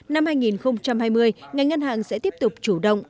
năm hai nghìn hai mươi ngành ngân hàng sẽ tiếp tục chủ động